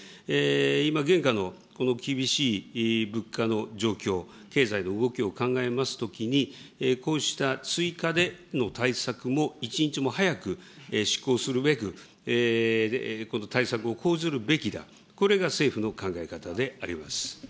今、現下のこの厳しい物価の状況、経済の動きを考えますときに、こうした追加での対策も一日も早く執行するべく、対策を講ずるべきだ、これが政府の考え方であります。